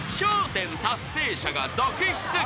１０達成者が続出］